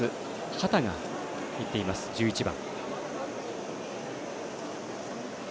畑が入っています、１１番。